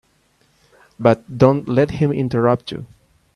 But don't let him interrupt you.